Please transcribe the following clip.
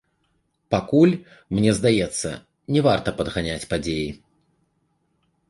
Пакуль, мне здаецца, не варта падганяць падзеі.